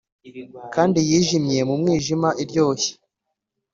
kandi yijimye mu mwijima iryoshye